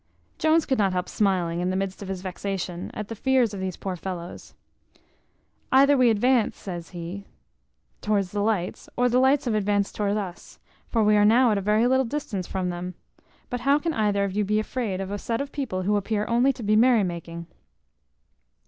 Jones could not help smiling in the midst of his vexation, at the fears of these poor fellows. "Either we advance," says he, "towards the lights, or the lights have advanced towards us; for we are now at a very little distance from them; but how can either of you be afraid of a set of people who appear only to be merry making?"